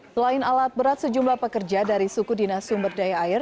selain alat berat sejumlah pekerja dari suku dinas sumber daya air